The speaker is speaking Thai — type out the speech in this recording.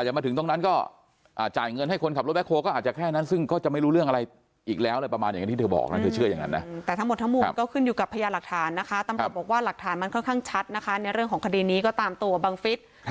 จะไปทำอะไรกับเสียสุชาติ